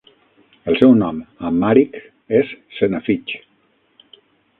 El seu nom amhàric és "senafitch".